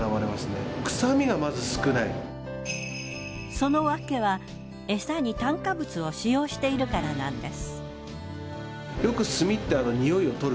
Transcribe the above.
そのわけは餌に炭化物を使用しているからなんです。